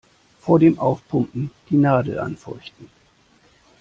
Vor dem Aufpumpen die Nadel anfeuchten.